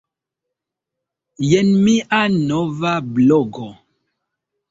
Jen mia nova blogo.